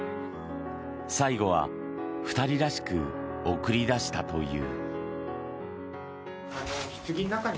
最期は２人らしく送り出したという。